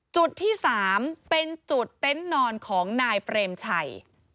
จุดที่๓เป็นจุดเต็นต์นอนของนายเปรมชัย